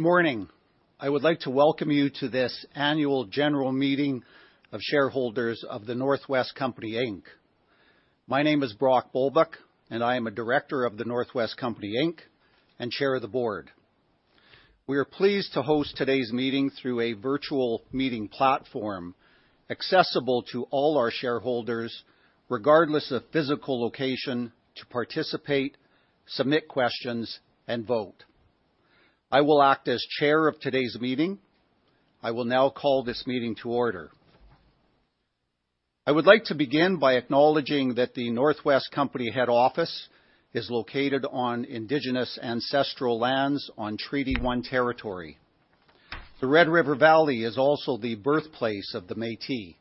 Morning. I would like to welcome you to this annual general meeting of shareholders of The North West Company Inc. My name is Brock Bulbuck, and I am a Director of The North West Company Inc, and Chair of the Board. We are pleased to host today's meeting through a virtual meeting platform accessible to all our shareholders, regardless of physical location, to participate, submit questions, and vote. I will act as chair of today's meeting. I will now call this meeting to order. I would like to begin by acknowledging that The North West Company head office is located on indigenous ancestral lands on Treaty One territory. The Red River Valley is also the birthplace of the Métis.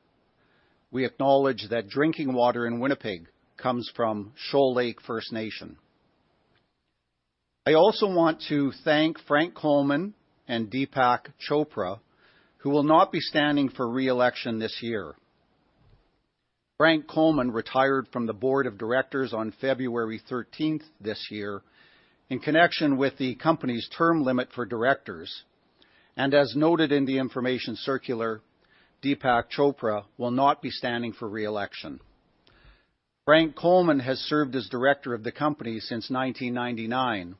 We acknowledge that drinking water in Winnipeg comes from Shoal Lake First Nation. I also want to thank Frank Coleman and Deepak Chopra, who will not be standing for re-election this year. Frank Coleman retired from the board of directors on February 13th this year in connection with the company's term limit for directors. As noted in the information circular, Deepak Chopra will not be standing for re-election. Frank Coleman has served as director of the company since 1999,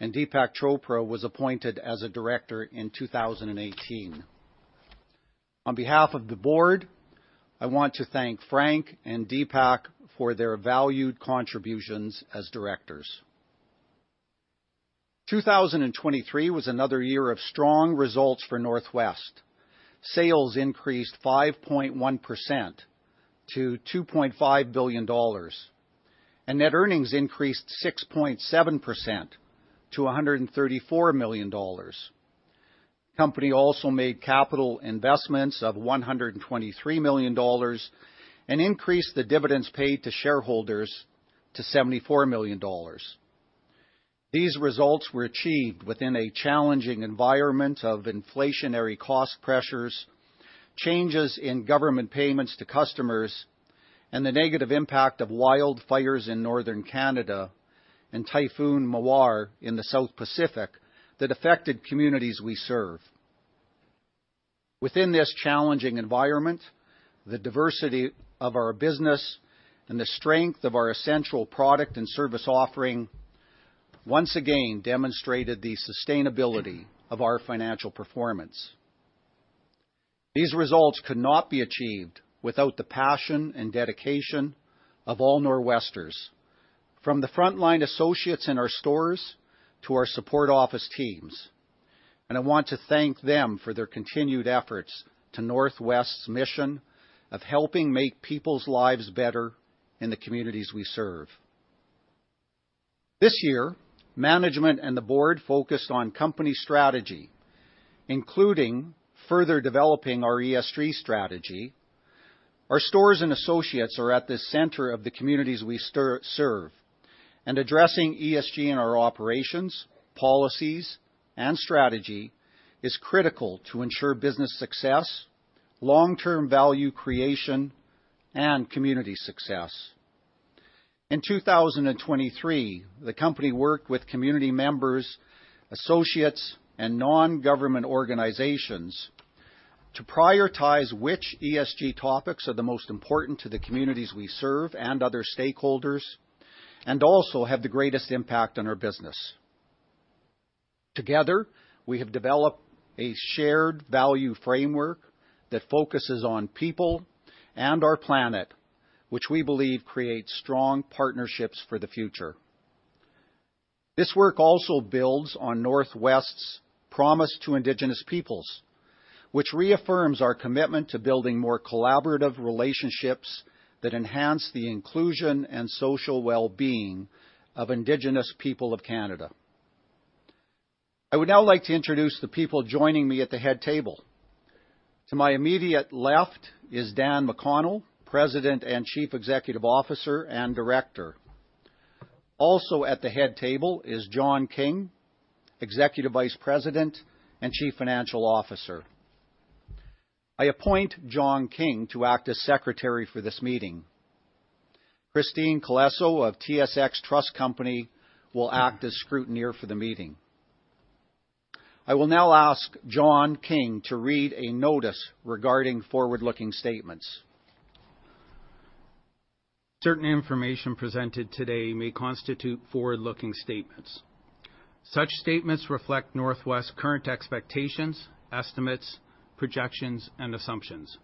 and Deepak Chopra was appointed as a director in 2018. On behalf of the board, I want to thank Frank and Deepak for their valued contributions as directors. 2023 was another year of strong results for North West. Sales increased 5.1% to $2.5 billion, and net earnings increased 6.7% to $134 million. Company also made capital investments of 123 million dollars and increased the dividends paid to shareholders to 74 million dollars. These results were achieved within a challenging environment of inflationary cost pressures, changes in government payments to customers, and the negative impact of wildfires in Northern Canada and Typhoon Mawar in the South Pacific that affected communities we serve. Within this challenging environment, the diversity of our business and the strength of our essential product and service offering once again demonstrated the sustainability of our financial performance. These results could not be achieved without the passion and dedication of all Nor'Westers, from the frontline associates in our stores to our support office teams. I want to thank them for their continued efforts to North West's mission of helping make people's lives better in the communities we serve. This year, management and the board focused on company strategy, including further developing our ESG strategy. Our stores and associates are at the center of the communities we serve, addressing ESG in our operations, policies, and strategy is critical to ensure business success, long-term value creation, and community success. In 2023, the company worked with community members, associates, and non-government organizations to prioritize which ESG topics are the most important to the communities we serve and other stakeholders, also have the greatest impact on our business. Together, we have developed a shared-value framework that focuses on people and our planet, which we believe creates strong partnerships for the future. This work also builds on North West's promise to Indigenous peoples, which reaffirms our commitment to building more collaborative relationships that enhance the inclusion and social well-being of Indigenous people of Canada. I would now like to introduce the people joining me at the head table. To my immediate left is Dan McConnell, President and Chief Executive Officer and Director. At the head table is John King, Executive Vice President and Chief Financial Officer. I appoint John King to act as secretary for this meeting. Kristine Kolehmainen of TSX Trust Company will act as scrutineer for the meeting. I will now ask John King to read a notice regarding forward-looking statements. Certain information presented today may constitute forward-looking statements. Such statements reflect North West's current expectations, estimates, projections, and assumptions.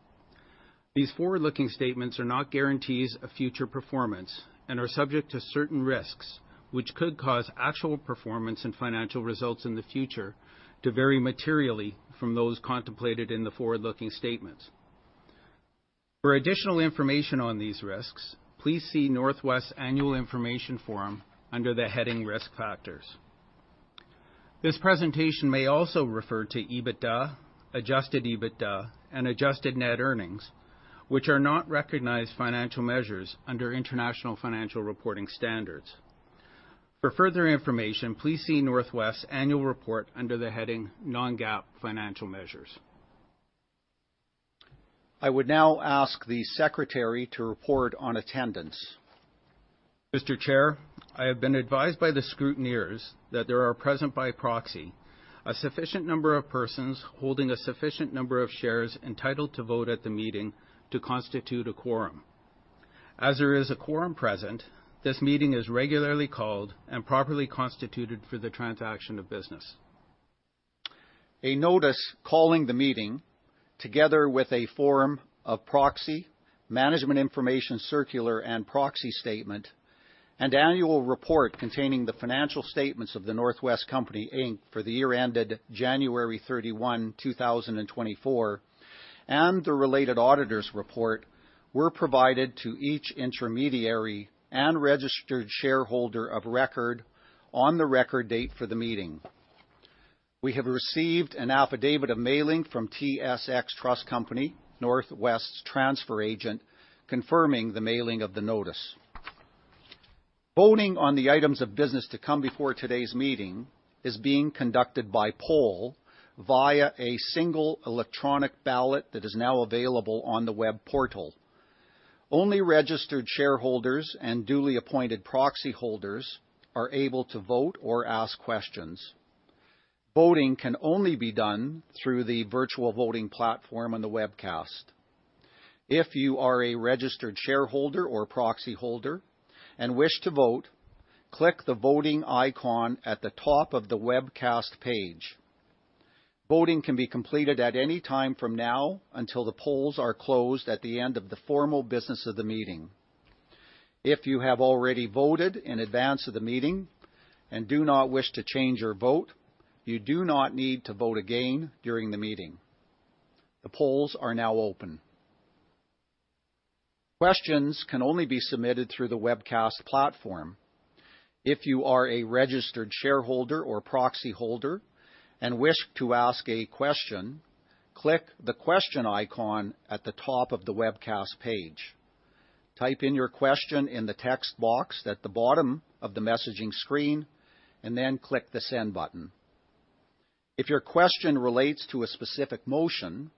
These forward-looking statements are not guarantees of future performance and are subject to certain risks, which could cause actual performance and financial results in the future to vary materially from those contemplated in the forward-looking statements. For additional information on these risks, please see North West's annual information form under the heading Risk Factors. This presentation may also refer to EBITDA, adjusted EBITDA, and adjusted net earnings, which are not recognized financial measures under international financial reporting standards. For further information, please see North West's annual report under the heading Non-GAAP Financial Measures. I would now ask the secretary to report on attendance. Mr. Chair, I have been advised by the scrutineers that there are present by proxy a sufficient number of persons holding a sufficient number of shares entitled to vote at the meeting to constitute a quorum. As there is a quorum present, this meeting is regularly called and properly constituted for the transaction of business. A notice calling the meeting, together with a form of proxy, management information circular and proxy statement, and annual report containing the financial statements of The North West Company Inc. for the year ended January 31, 2024, and the related auditor's report were provided to each intermediary and registered shareholder of record on the record date for the meeting. We have received an affidavit of mailing from TSX Trust Company, North West's transfer agent, confirming the mailing of the notice. Voting on the items of business to come before today's meeting is being conducted by poll via a single electronic ballot that is now available on the web portal. Only registered shareholders and duly appointed proxy holders are able to vote or ask questions. Voting can only be done through the virtual voting platform on the webcast. If you are a registered shareholder or proxy holder and wish to vote, click the Voting icon at the top of the webcast page. Voting can be completed at any time from now until the polls are closed at the end of the formal business of the meeting. If you have already voted in advance of the meeting and do not wish to change your vote, you do not need to vote again during the meeting. The polls are now open. Questions can only be submitted through the webcast platform. If you are a registered shareholder or proxy holder and wish to ask a question, click the Question icon at the top of the webcast page. Type in your question in the text box at the bottom of the messaging screen, and then click the Send button. If your question relates to a specific motion,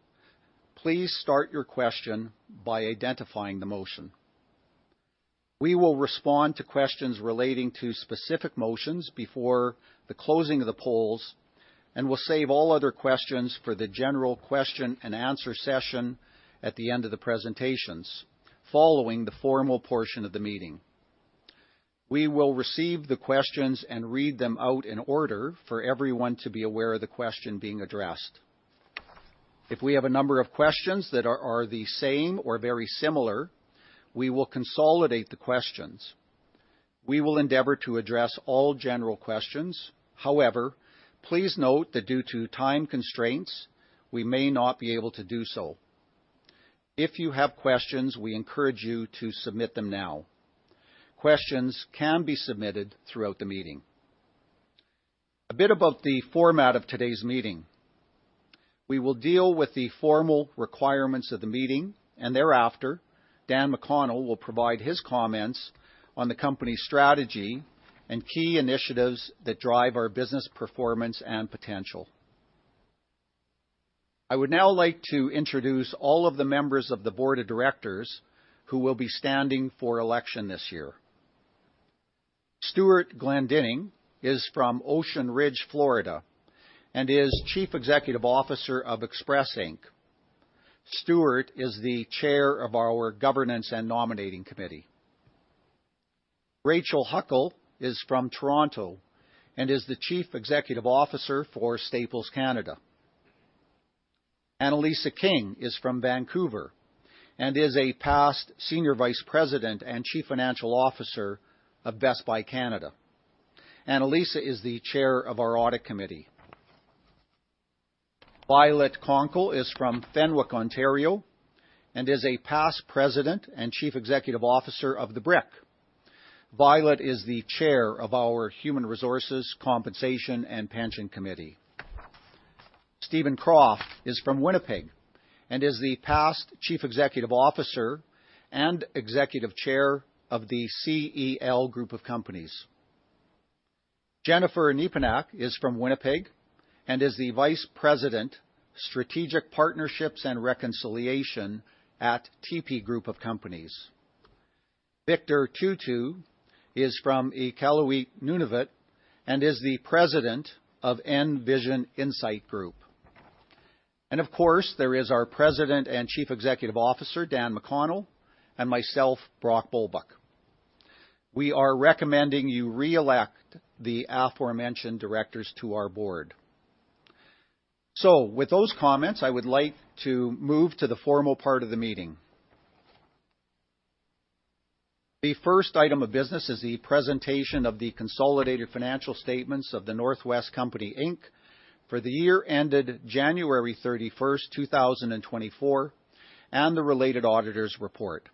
please start your question by identifying the motion. We will respond to questions relating to specific motions before the closing of the polls and will save all other questions for the general question and answer session at the end of the presentations following the formal portion of the meeting. We will receive the questions and read them out in order for everyone to be aware of the question being addressed. If we have a number of questions that are the same or very similar, we will consolidate the questions. We will endeavor to address all general questions. Please note that due to time constraints, we may not be able to do so. If you have questions, we encourage you to submit them now. Questions can be submitted throughout the meeting. A bit about the format of today's meeting. We will deal with the formal requirements of the meeting, and thereafter, Dan McConnell will provide his comments on the company's strategy and key initiatives that drive our business performance and potential. I would now like to introduce all of the members of the board of directors who will be standing for election this year. Stewart Glendinning is from Ocean Ridge, Florida, and is Chief Executive Officer of Express, Inc. Stewart is the Chair of our Governance and Nominating Committee. Rachel Huckle is from Toronto and is the Chief Executive Officer for Staples Canada. Annalisa King is from Vancouver and is a past Senior Vice President and Chief Financial Officer of Best Buy Canada. Annalisa is the Chair of our Audit Committee. Violet Konkle is from Fenwick, Ontario, and is a past President and Chief Executive Officer of The Brick. Violet is the Chair of our Human Resources, Compensation, and Pension Committee. Steven Kroft is from Winnipeg and is the past Chief Executive Officer and Executive Chair of the CEL Group of Companies. Jennifer Nepinak is from Winnipeg and is the Vice President, Strategic Partnerships and Reconciliation at TIPI Group of Companies. Victor Tootoo is from Iqaluit, Nunavut, and is the President of Nvision Insight Group. Of course, there is our President and Chief Executive Officer, Dan McConnell, and myself, Brock Bulbuck. We are recommending you re-elect the aforementioned directors to our board. With those comments, I would like to move to the formal part of the meeting. The first item of business is the presentation of the consolidated financial statements of The North West Company Inc. for the year ended January 31, 2024, and the related auditor's report.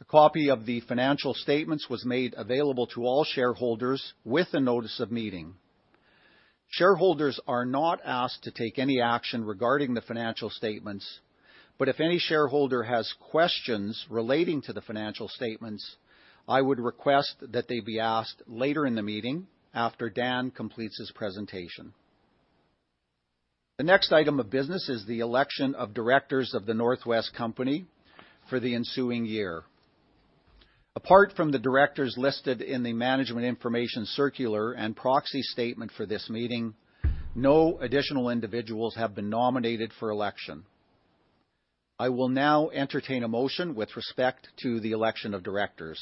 A copy of the financial statements was made available to all shareholders with a notice of meeting. Shareholders are not asked to take any action regarding the financial statements, if any shareholder has questions relating to the financial statements, I would request that they be asked later in the meeting after Dan completes his presentation. The next item of business is the election of directors of The North West Company for the ensuing year. Apart from the directors listed in the Management Information Circular and proxy statement for this meeting, no additional individuals have been nominated for election. I will now entertain a motion with respect to the election of directors.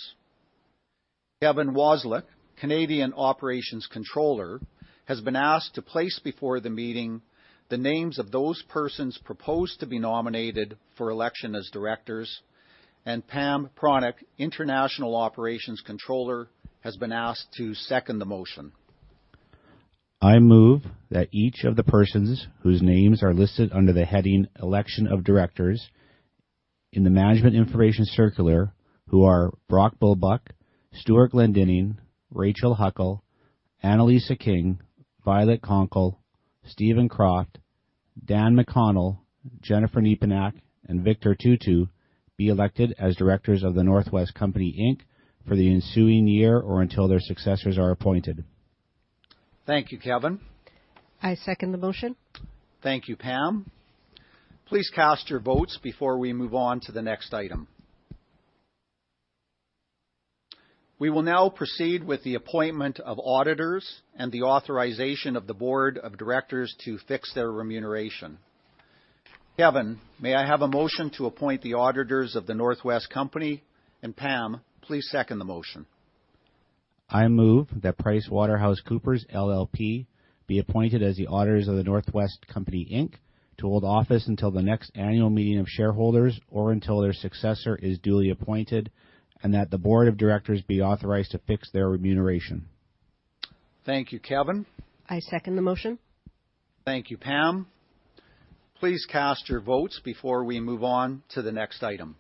Kevin Wasylik, Canadian Operations Controller, has been asked to place before the meeting the names of those persons proposed to be nominated for election as directors and Pam Pronyk, International Operations Controller, has been asked to second the motion. I move that each of the persons whose names are listed under the heading Election of Directors in the Management Information Circular, who are Brock Bulbuck, Stewart Glendinning, Rachel Huckle, Annalisa King, Violet Konkle, Steven Kroft, Dan McConnell, Jennefer Nepinak, and Victor Tootoo, be elected as directors of The North West Company Inc. for the ensuing year or until their successors are appointed. Thank you, Kevin. I second the motion. Thank you, Pam. Please cast your votes before we move on to the next item. We will now proceed with the appointment of auditors and the authorization of the board of directors to fix their remuneration. Kevin, may I have a motion to appoint the auditors of The North West Company? Pam, please second the motion. I move that PricewaterhouseCoopers LLP be appointed as the auditors of The North West Company Inc. to hold office until the next annual meeting of shareholders or until their successor is duly appointed, and that the board of directors be authorized to fix their remuneration. Thank you, Kevin. I second the motion. Thank you, Pam. Please cast your votes before we move on to the next item.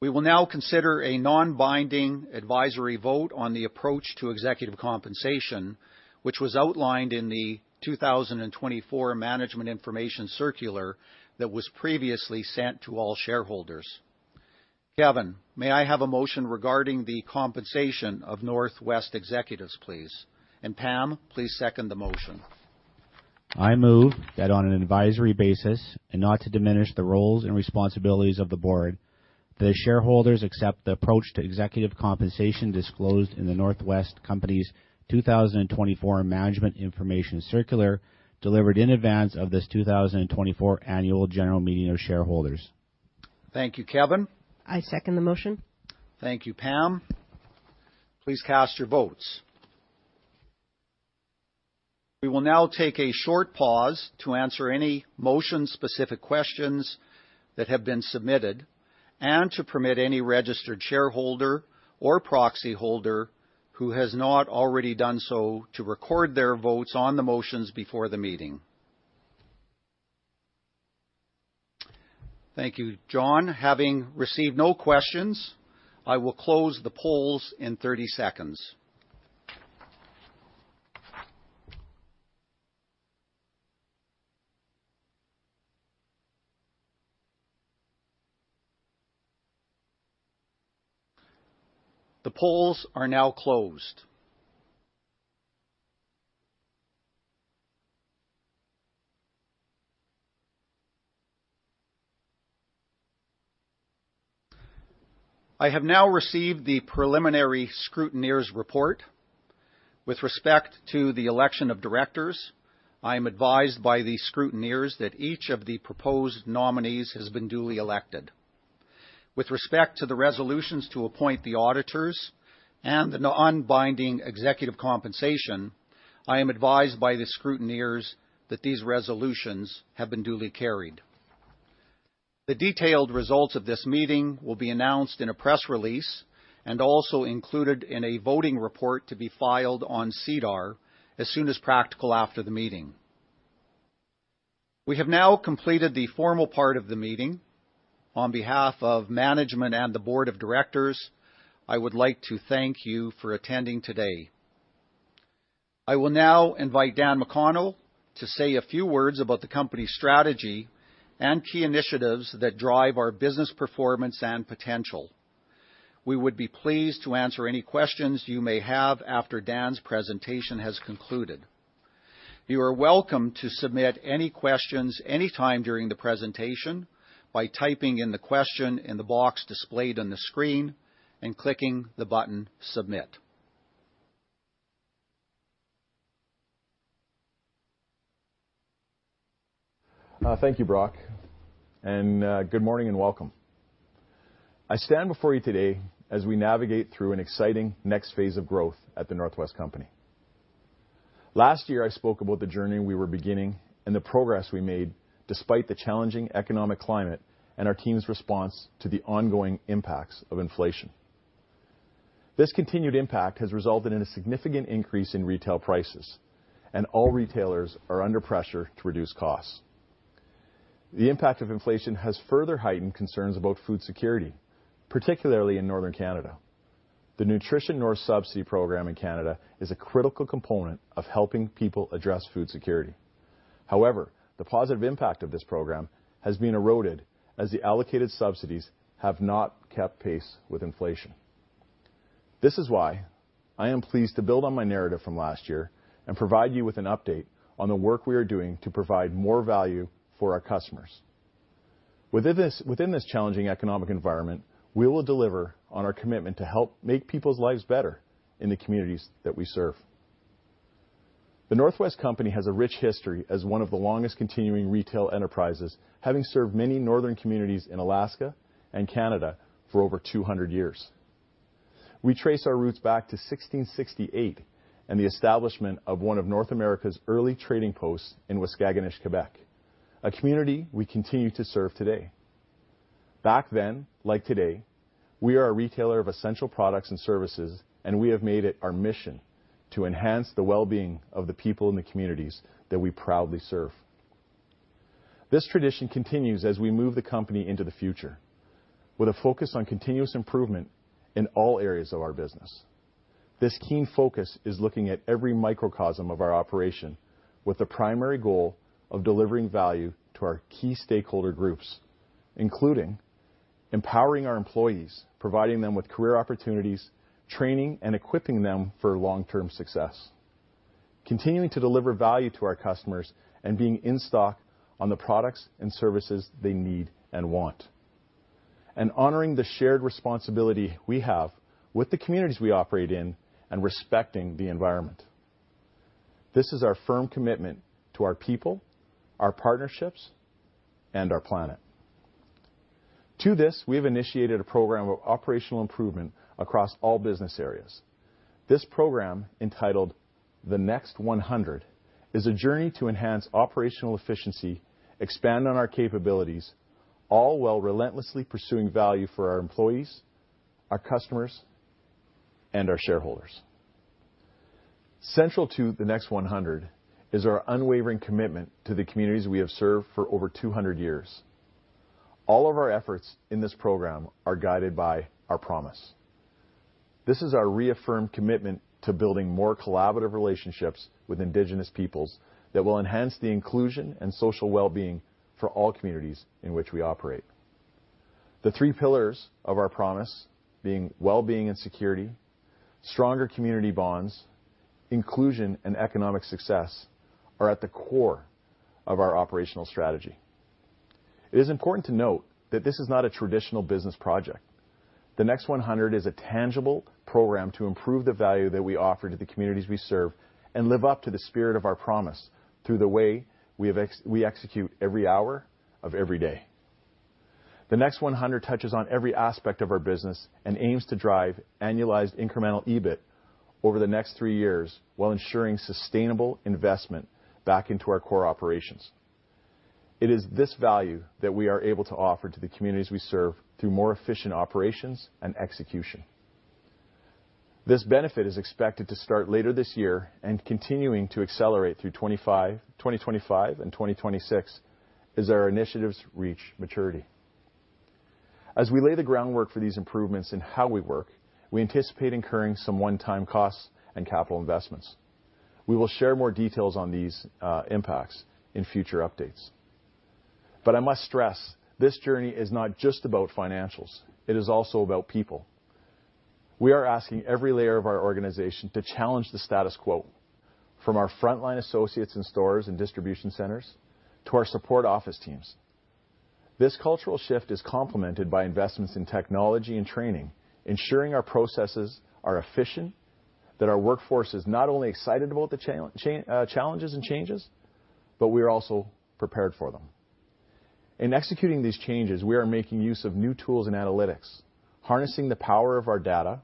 We will now consider a non-binding advisory vote on the approach to executive compensation, which was outlined in the 2024 Management Information Circular that was previously sent to all shareholders. Kevin, may I have a motion regarding the compensation of North West executives, please? Pam, please second the motion. I move that on an advisory basis and not to diminish the roles and responsibilities of the board, the shareholders accept the approach to executive compensation disclosed in The North West Company's 2024 Management Information Circular, delivered in advance of this 2024 annual general meeting of shareholders. Thank you, Kevin. I second the motion. Thank you, Pam. Please cast your votes. We will now take a short pause to answer any motion-specific questions that have been submitted and to permit any registered shareholder or proxy holder who has not already done so to record their votes on the motions before the meeting. Thank you, John. Having received no questions, I will close the polls in 30 seconds. The polls are now closed. I have now received the preliminary scrutineers report. With respect to the election of directors, I am advised by the scrutineers that each of the proposed nominees has been duly elected. With respect to the resolutions to appoint the auditors and the non-binding executive compensation, I am advised by the scrutineers that these resolutions have been duly carried. The detailed results of this meeting will be announced in a press release and also included in a voting report to be filed on SEDAR as soon as practical after the meeting. We have now completed the formal part of the meeting. On behalf of management and the board of directors, I would like to thank you for attending today. I will now invite Dan McConnell to say a few words about the company's strategy and key initiatives that drive our business performance and potential. We would be pleased to answer any questions you may have after Dan's presentation has concluded. You are welcome to submit any questions any time during the presentation by typing in the question in the box displayed on the screen and clicking the button Submit. Thank you, Brock. Good morning and welcome. I stand before you today as we navigate through an exciting next phase of growth at The North West Company. Last year, I spoke about the journey we were beginning and the progress we made despite the challenging economic climate and our team's response to the ongoing impacts of inflation. This continued impact has resulted in a significant increase in retail prices, and all retailers are under pressure to reduce costs. The impact of inflation has further heightened concerns about food security, particularly in Northern Canada. The Nutrition North Canada subsidy program in Canada is a critical component of helping people address food security. However, the positive impact of this program has been eroded as the allocated subsidies have not kept pace with inflation. This is why I am pleased to build on my narrative from last year and provide you with an update on the work we are doing to provide more value for our customers. Within this challenging economic environment, we will deliver on our commitment to help make people's lives better in the communities that we serve. The North West Company has a rich history as one of the longest continuing retail enterprises, having served many northern communities in Alaska and Canada for over 200 years. We trace our roots back to 1668 and the establishment of one of North America's early trading posts in Waskaganish, Quebec, a community we continue to serve today. Back then, like today, we are a retailer of essential products and services, and we have made it our mission to enhance the well-being of the people in the communities that we proudly serve. This tradition continues as we move the company into the future with a focus on continuous improvement in all areas of our business. This keen focus is looking at every microcosm of our operation with the primary goal of delivering value to our key stakeholder groups, including empowering our employees, providing them with career opportunities, training, and equipping them for long-term success. Continuing to deliver value to our customers and being in stock on the products and services they need and want. Honoring the shared responsibility we have with the communities we operate in and respecting the environment. This is our firm commitment to our people, our partnerships, and our planet. To this, we have initiated a program of operational improvement across all business areas. This program, entitled The Next100, is a journey to enhance operational efficiency, expand on our capabilities, all while relentlessly pursuing value for our employees, our customers, and our shareholders. Central to The Next100 is our unwavering commitment to the communities we have served for over 200 years. All of our efforts in this program are guided by our promise. This is our reaffirmed commitment to building more collaborative relationships with indigenous peoples that will enhance the inclusion and social well-being for all communities in which we operate. The three pillars of our promise being well-being and security, stronger community bonds, inclusion and economic success are at the core of our operational strategy. It is important to note that this is not a traditional business project. The Next100 is a tangible program to improve the value that we offer to the communities we serve and live up to the spirit of our promise through the way we execute every hour of every day. The Next100 touches on every aspect of our business and aims to drive annualized incremental EBIT over the next three years while ensuring sustainable investment back into our core operations. It is this value that we are able to offer to the communities we serve through more efficient operations and execution. This benefit is expected to start later this year and continuing to accelerate through 2025 and 2026 as our initiatives reach maturity. As we lay the groundwork for these improvements in how we work, we anticipate incurring some one-time costs and capital investments. We will share more details on these impacts in future updates. But I must stress, this journey is not just about financials, it is also about people. We are asking every layer of our organization to challenge the status quo, from our frontline associates in stores and distribution centers to our support office teams. This cultural shift is complemented by investments in technology and training, ensuring our processes are efficient, that our workforce is not only excited about the challenges and changes, but we are also prepared for them. In executing these changes, we are making use of new tools and analytics, harnessing the power of our data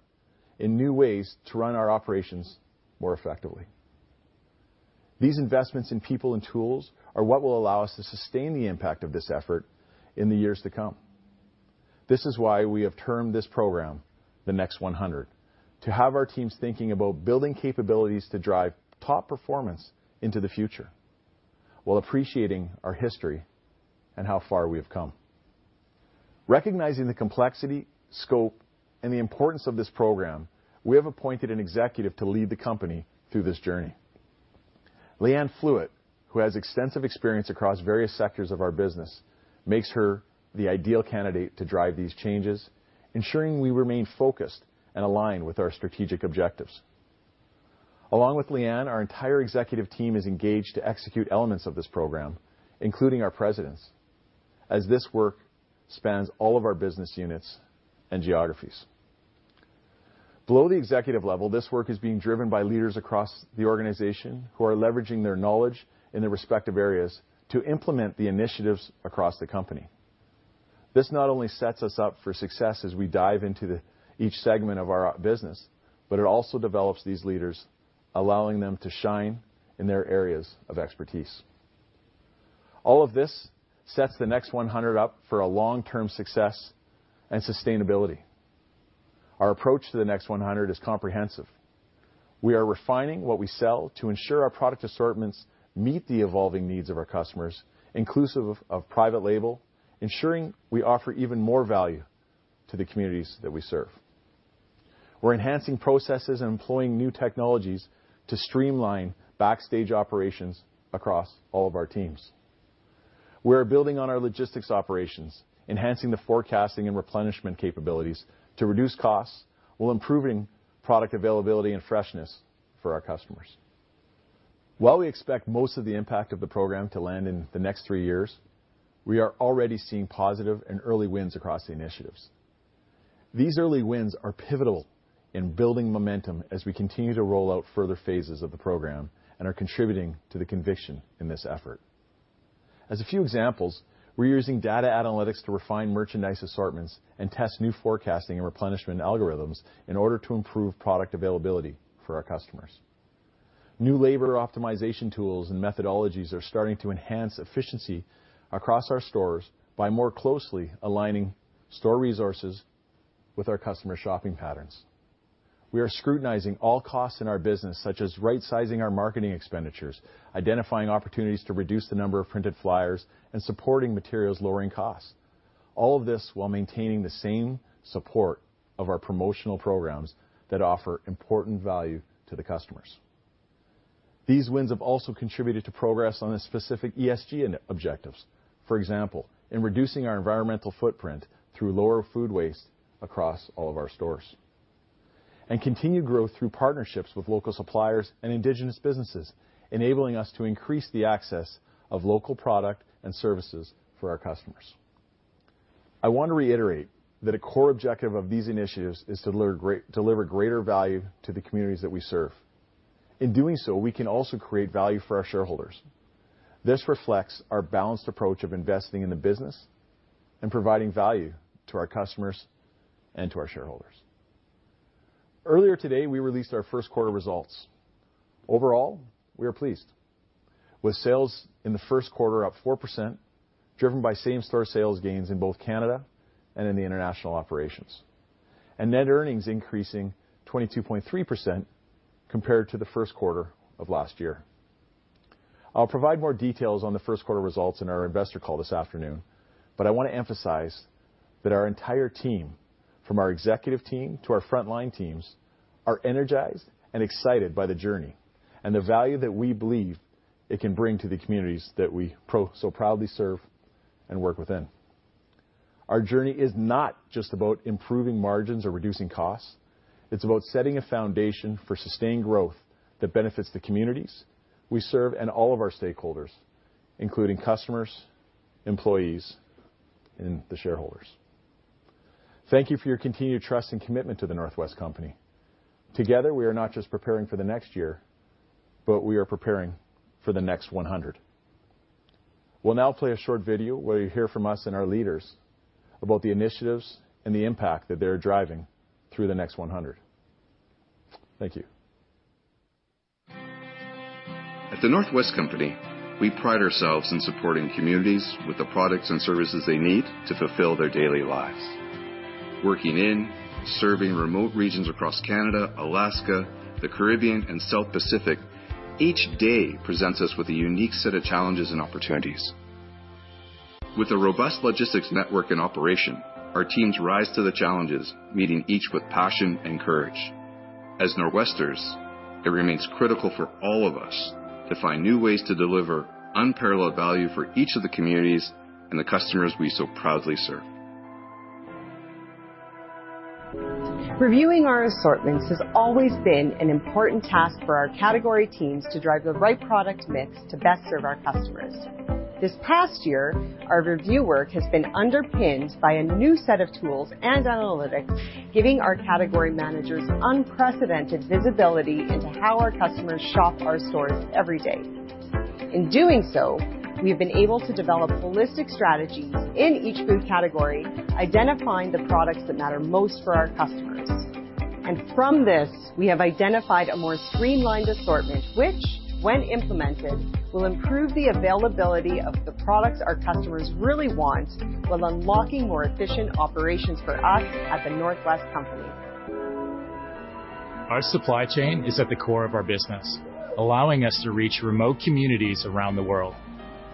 in new ways to run our operations more effectively. These investments in people and tools are what will allow us to sustain the impact of this effort in the years to come. This is why we have termed this program The Next100, to have our teams thinking about building capabilities to drive top performance into the future while appreciating our history and how far we have come. Recognizing the complexity, scope, and the importance of this program, we have appointed an executive to lead the company through this journey. Leanne Flewitt, who has extensive experience across various sectors of our business, makes her the ideal candidate to drive these changes, ensuring we remain focused and aligned with our strategic objectives. Along with Leanne, our entire executive team is engaged to execute elements of this program, including our presidents, as this work spans all of our business units and geographies. Below the executive level, this work is being driven by leaders across the organization who are leveraging their knowledge in their respective areas to implement the initiatives across the company. This not only sets us up for success as we dive into the, each segment of our business, but it also develops these leaders, allowing them to shine in their areas of expertise. All of this sets The Next100 up for a long-term success and sustainability. Our approach to The Next100 is comprehensive. We are refining what we sell to ensure our product assortments meet the evolving needs of our customers, inclusive of private label, ensuring we offer even more value to the communities that we serve. We're enhancing processes and employing new technologies to streamline backstage operations across all of our teams. We're building on our logistics operations, enhancing the forecasting and replenishment capabilities to reduce costs while improving product availability and freshness for our customers. While we expect most of the impact of the program to land in the next three years, we are already seeing positive and early wins across the initiatives. These early wins are pivotal in building momentum as we continue to roll out further phases of the program and are contributing to the conviction in this effort. As a few examples, we're using data analytics to refine merchandise assortments and test new forecasting and replenishment algorithms in order to improve product availability for our customers. New labor optimization tools and methodologies are starting to enhance efficiency across our stores by more closely aligning store resources with our customer shopping patterns. We are scrutinizing all costs in our business, such as right-sizing our marketing expenditures, identifying opportunities to reduce the number of printed flyers, and supporting materials lowering costs. All of this while maintaining the same support of our promotional programs that offer important value to the customers. These wins have also contributed to progress on the specific ESG objectives. For example, in reducing our environmental footprint through lower food waste across all of our stores. Continued growth through partnerships with local suppliers and indigenous businesses, enabling us to increase the access of local product and services for our customers. I want to reiterate that a core objective of these initiatives is to deliver greater value to the communities that we serve. In doing so, we can also create value for our shareholders. This reflects our balanced approach of investing in the business and providing value to our customers and to our shareholders. Earlier today, we released our first quarter results. Overall, we are pleased with sales in the first quarter up 4%, driven by same store sales gains in both Canada and in the international operations. Net earnings increasing 22.3% compared to the first quarter of last year. I'll provide more details on the first quarter results in our investor call this afternoon, but I wanna emphasize that our entire team, from our executive team to our frontline teams, are energized and excited by the journey and the value that we believe it can bring to the communities that we so proudly serve and work within. Our journey is not just about improving margins or reducing costs. It's about setting a foundation for sustained growth that benefits the communities we serve and all of our stakeholders, including customers, employees, and the shareholders. Thank you for your continued trust and commitment to The North West Company. Together, we are not just preparing for the next year, but we are preparing for The Next100. We'll now play a short video where you'll hear from us and our leaders about the initiatives and the impact that they're driving through The Next100. Thank you. At The North West Company, we pride ourselves in supporting communities with the products and services they need to fulfill their daily lives. Working in, serving remote regions across Canada, Alaska, the Caribbean, and South Pacific, each day presents us with a unique set of challenges and opportunities. With a robust logistics network and operation, our teams rise to the challenges, meeting each with passion and courage. As Nor'Westers, it remains critical for all of us to find new ways to deliver unparalleled value for each of the communities and the customers we so proudly serve. Reviewing our assortments has always been an important task for our category teams to drive the right product mix to best serve our customers. This past year, our review work has been underpinned by a new set of tools and analytics, giving our category managers unprecedented visibility into how our customers shop our stores every day. In doing so, we've been able to develop holistic strategies in each food category, identifying the products that matter most for our customers. From this, we have identified a more streamlined assortment, which, when implemented, will improve the availability of the products our customers really want while unlocking more efficient operations for us at The North West Company. Our supply chain is at the core of our business, allowing us to reach remote communities around the world.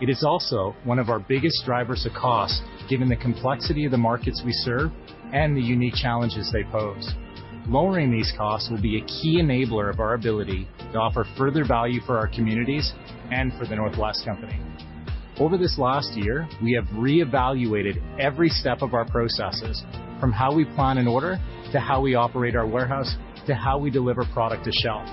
It is also one of our biggest drivers of cost, given the complexity of the markets we serve and the unique challenges they pose. Lowering these costs will be a key enabler of our ability to offer further value for our communities and for The North West Company. Over this last year, we have reevaluated every step of our processes, from how we plan an order to how we operate our warehouse to how we deliver product to shelf.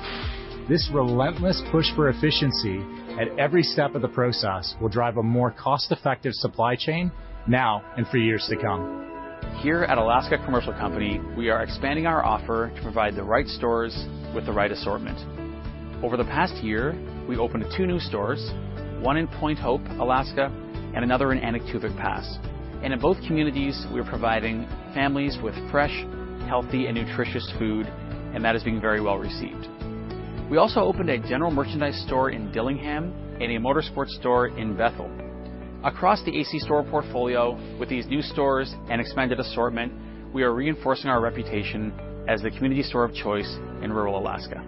This relentless push for efficiency at every step of the process will drive a more cost-effective supply chain now and for years to come. Here at Alaska Commercial Company, we are expanding our offer to provide the right stores with the right assortment. Over the past year, we've opened two new stores, one in Point Hope, Alaska, and another in Anaktuvuk Pass. In both communities, we're providing families with fresh, healthy, and nutritious food, and that is being very well-received. We also opened a general merchandise store in Dillingham and a motorsports store in Bethel. Across the AC store portfolio with these new stores and expanded assortment, we are reinforcing our reputation as the community store of choice in rural Alaska.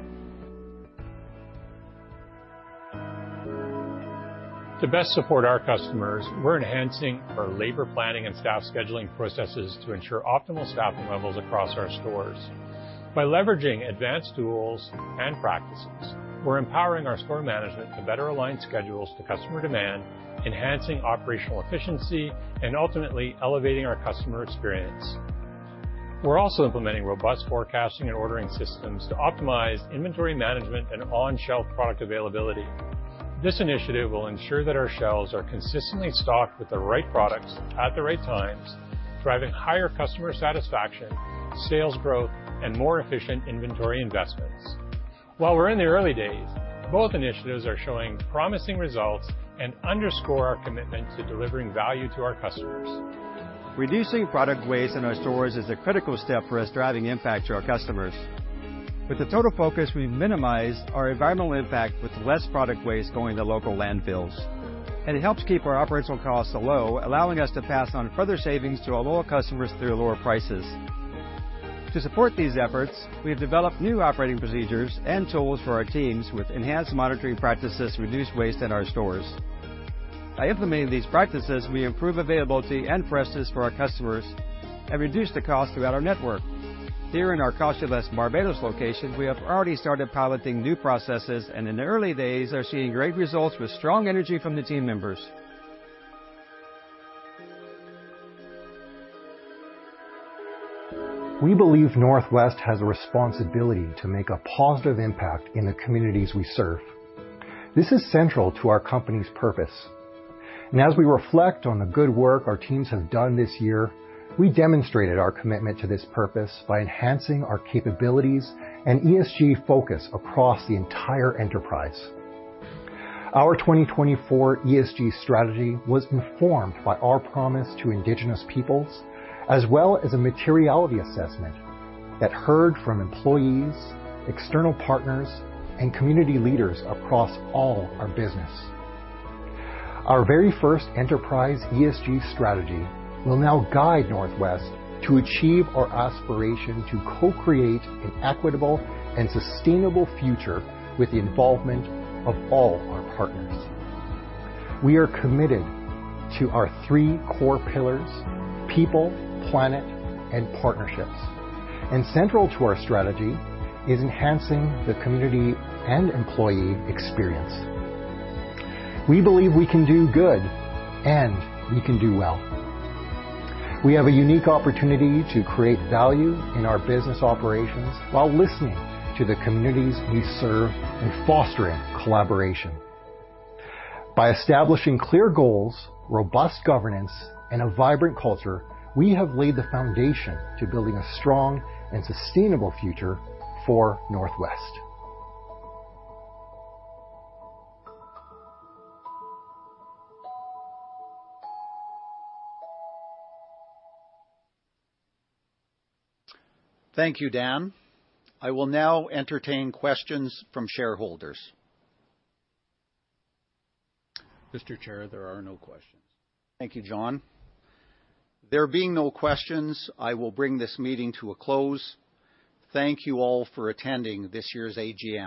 To best support our customers, we're enhancing our labor planning and staff scheduling processes to ensure optimal staffing levels across our stores. By leveraging advanced tools and practices, we're empowering our store management to better align schedules to customer demand, enhancing operational efficiency, and ultimately elevating our customer experience. We're also implementing robust forecasting and ordering systems to optimize inventory management and on-shelf product availability. This initiative will ensure that our shelves are consistently stocked with the right products at the right times, driving higher customer satisfaction, sales growth, and more efficient inventory investments. While we're in the early days, both initiatives are showing promising results and underscore our commitment to delivering value to our customers. Reducing product waste in our stores is a critical step for us driving impact to our customers. With the total focus, we minimize our environmental impact with less product waste going to local landfills. It helps keep our operational costs low, allowing us to pass on further savings to our loyal customers through lower prices. To support these efforts, we have developed new operating procedures and tools for our teams with enhanced monitoring practices to reduce waste in our stores. By implementing these practices, we improve availability and freshness for our customers and reduce the cost throughout our network. Here in our Cost-U-Less Barbados location, we have already started piloting new processes and in the early days are seeing great results with strong energy from the team members. We believe Northwest has a responsibility to make a positive impact in the communities we serve. This is central to our company's purpose. As we reflect on the good work our teams have done this year, we demonstrated our commitment to this purpose by enhancing our capabilities and ESG focus across the entire enterprise. Our 2024 ESG strategy was informed by our promise to Indigenous peoples, as well as a materiality assessment that heard from employees, external partners, and community leaders across all our business. Our very first enterprise ESG strategy will now guide Northwest to achieve our aspiration to co-create an equitable and sustainable future with the involvement of all our partners. We are committed to our three core pillars: people, planet, and partnerships. Central to our strategy is enhancing the community and employee experience. We believe we can do good, and we can do well. We have a unique opportunity to create value in our business operations while listening to the communities we serve and fostering collaboration. By establishing clear goals, robust governance, and a vibrant culture, we have laid the foundation to building a strong and sustainable future for Northwest. Thank you, Dan. I will now entertain questions from shareholders. Mr. Chair, there are no questions. Thank you, John. There being no questions, I will bring this meeting to a close. Thank you all for attending this year's AGM.